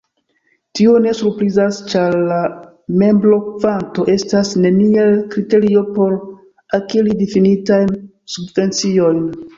Tio ne surprizas ĉar la membrokvanto estas neniel kriterio por akiri difinitajn subvenciojn.